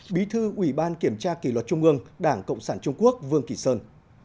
bí thư ủy ban kiểm tra kỷ luật trung ương đảng cộng sản trung quốc vương kỳ sơn